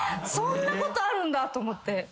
そんなことあるんだって思って。